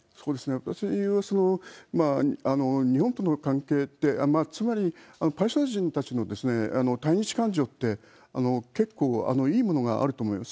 私は、日本との関係って、つまりパレスチナ人たちの対日感情って、結構いいものがあると思います。